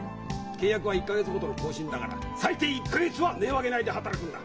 契約は１か月ごとの更新だから最低１か月は音を上げないで働くんだ。